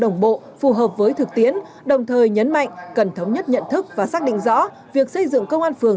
mới thực tiến đồng thời nhấn mạnh cần thống nhất nhận thức và xác định rõ việc xây dựng công an phường